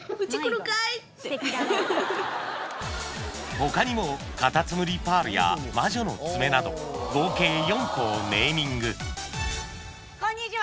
他にも「カタツムリパール」や「魔女の爪」など合計４個をネーミングこんにちは！